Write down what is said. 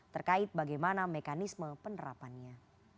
terkait bagaimana mekanisme penerapannya